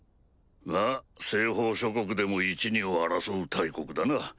まぁ西方諸国でも１２を争う大国だな。